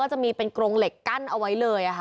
จะมีเป็นกรงเหล็กกั้นเอาไว้เลยค่ะ